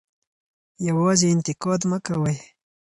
یوازې انتقاد مه کوئ.